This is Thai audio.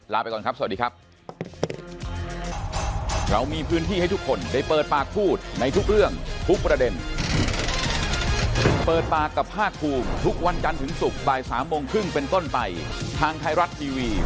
ไปก่อนครับสวัสดีครับ